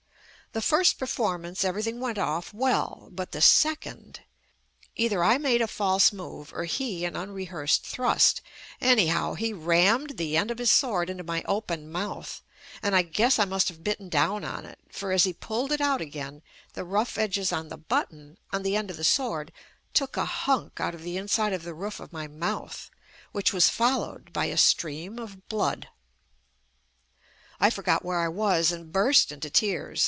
The first performance everything went off well, but the second — either I made a false move or he an unre hearsed thrust. Anyhow, he rammed the end of his sword into my open mouth and I guess I must have bitten down on it, for as he pulled it out again the rough edges on the button, on the end of the sword, took a hunk out of the inside of the roof of my mouth, which was followed by a stream of blood. I forgot where I was and burst into tears.